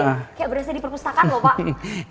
tadi kayak berasa di perpustakaan loh pak